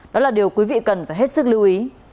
đó là điều quý vị cần phải hết sức lưu ý